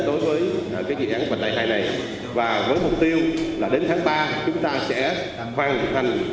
đối với cái dự án vàng đại hai này và với mục tiêu là đến tháng ba chúng ta sẽ hoàn thành